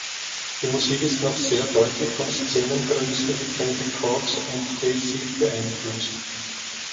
Die Musik ist noch sehr deutlich von Szenegrößen wie Cannibal Corpse und Deicide beeinflusst.